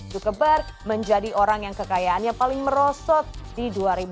zuckerberg menjadi orang yang kekayaannya paling merosot di dua ribu dua puluh